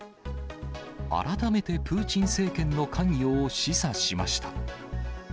改めてプーチン政権の関与を示唆しました。